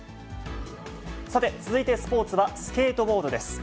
続いてスポーツはスケートボードです。